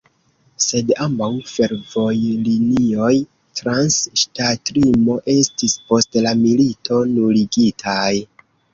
Sed ambaŭ fervojlinioj trans ŝtatlimo estis post la milito nuligitaj.